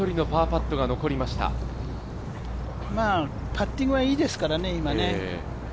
パッティングはいいですからね、今ね。